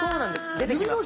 出てきます。